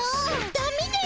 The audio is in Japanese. ダメですよ。